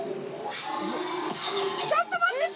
ちょっと待って！